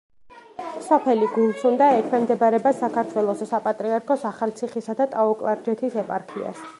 სოფელი გულსუნდა ექვემდებარება საქართველოს საპატრიარქოს ახალციხისა და ტაო-კლარჯეთის ეპარქიას.